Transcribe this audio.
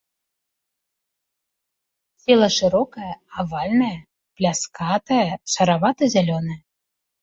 Цела шырокае, авальнае, пляскатае, шаравата-зялёнае.